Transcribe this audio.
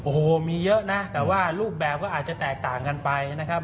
โอ้โหมีเยอะนะแต่ว่ารูปแบบก็อาจจะแตกต่างกันไปนะครับ